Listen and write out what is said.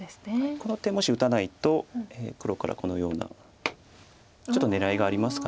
この手もし打たないと黒からこのようなちょっと狙いがありますか。